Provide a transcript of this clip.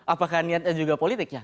apakah niatnya juga politik ya